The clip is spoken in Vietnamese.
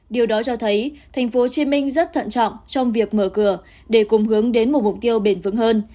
điều đó cho thấy tp hcm rất thận trọng trong việc mở cửa để cùng hướng đến một mục tiêu bền vững hơn